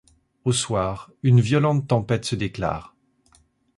Au soir, une violente tempête se déclare.